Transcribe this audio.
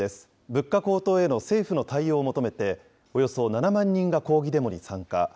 物価高騰への政府の対応を求めて、およそ７万人が抗議デモに参加。